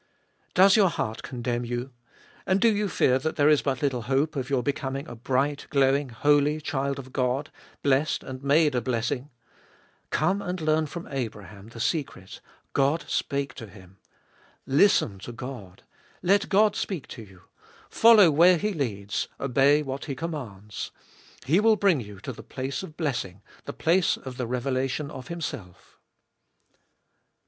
2. Does your heart condemn you, and do you fear that there is but tittle hope of your becoming a bright, growing, holy child of God, blessed and made a blessing ? Come and learn from Abraham the secret, God spake to him ! Listen to God. Let God speah to you, follow where He leads, obey what He commands. He will bring you to the place of blessing, the place of the revelation of Himself.